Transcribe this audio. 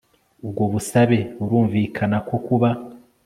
ubwo busabe burumvikana ko kuba